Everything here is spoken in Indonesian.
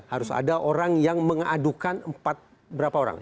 harus ada orang yang mengadukan empat berapa orang